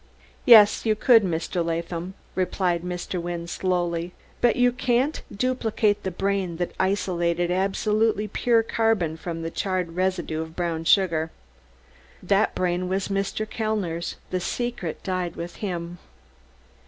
"Yes, you could, Mr. Latham," replied Mr. Wynne slowly, "but you can't duplicate the brain that isolated absolutely pure carbon from the charred residue of brown sugar. That brain was Mr. Kellner's; the secret died with him!"